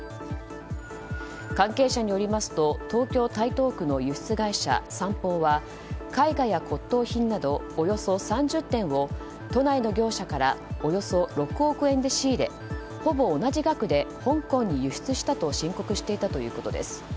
関係者によりますと東京・台東区の輸出会社、三方は絵画や骨とう品などおよそ３０点を都内の業者からおよそ６億円で仕入れほぼ同じ額で香港に輸出したと申告していたということです。